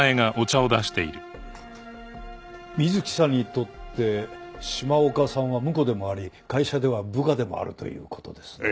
水木さんにとって島岡さんは婿でもあり会社では部下でもあるという事ですね？